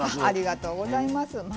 ありがとうございます。